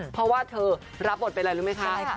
เพราะว่าเธอรับบทเป็นอะไรรู้ไหมคะ